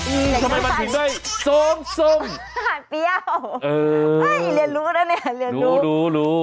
อื้อทำไมมันถึงได้สมสมหาดเปรี้ยวเออเรียนรู้แล้วเนี่ยเรียนรู้รู้รู้